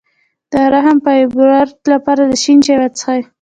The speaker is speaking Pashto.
د رحم د فایبرویډ لپاره د شین چای وڅښئ